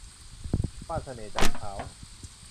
ว่านเสน่ห์จันทร์ขาว